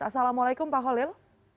assalamualaikum pak khalil